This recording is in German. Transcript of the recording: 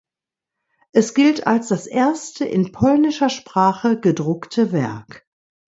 Es gilt als das erste in polnischer Sprache gedruckte Werk.